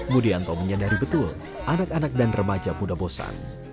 mudianto menyadari betul anak anak dan remaja muda bosan